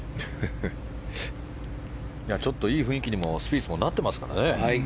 ちょっといい雰囲気にスピースもなってますからね。